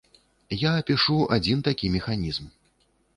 Я апішу адзін такі механізм.